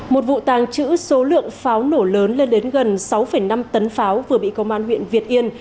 một vụ tàng trữ số lượng pháo nổ lớn lên đến gần sáu năm tấn pháo vừa bị công an huyện việt yên